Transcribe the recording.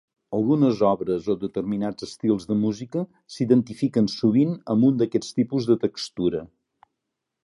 Algunes obres o determinats estils de música s'identifiquen sovint amb un d'aquests tipus de textura.